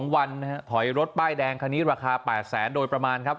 ๒วันนะครับถอยรถป้ายแดงคันนี้ราคา๘๐๐๐๐๐โดยประมาณครับ